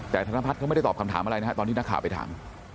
แต่ธนพัฒน์เขาไม่ได้ตอบคำถามอะไรนะฮะตอนที่นักข่าวไปถาม